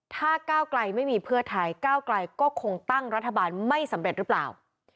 ถ้าก้าวไกลไม่มีเพื่อไทยก้าวไกลก็คงตั้งรัฐบาลไม่สำเร็จหรือเปล่า